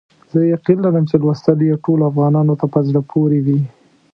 زه یقین لرم چې لوستل یې ټولو افغانانو ته په زړه پوري وي.